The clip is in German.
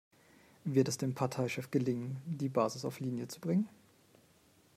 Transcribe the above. Wird es dem Parteichef gelingen, die Basis auf Linie zu bringen?